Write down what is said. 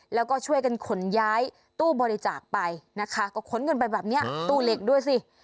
แล้วก็ช่วยกันขนย้ายตู้บริจาคไปนะคะก็ขนเงินไปแบบนี้ตู้เหล็กด้วยสิ